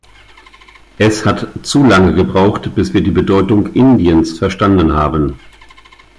Es hat zu lange gebraucht, bis wir die Bedeutung Indiens verstanden haben.